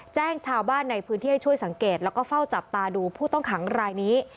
แจ้งชาวบ้านในพื้นที่ให้ช่วยสังเกตแล้วก็เฝ้าจับตาดูผู้ต้องขังรายนี้